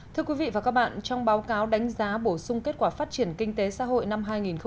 thưa quý vị và các bạn trong báo cáo đánh giá bổ sung kết quả phát triển kinh tế xã hội năm hai nghìn một mươi chín